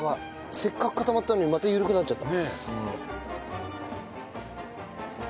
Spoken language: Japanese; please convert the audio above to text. せっかく固まったのにまたゆるくなっちゃった。